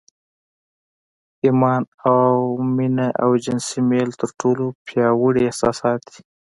ایمان او مینه او جنسي میل تر ټولو پیاوړي احساسات دي